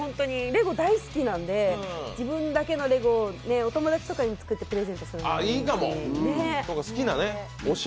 レゴ大好きなので、自分だけのレゴを、お友達とかに作ったプレゼントするのもいいし。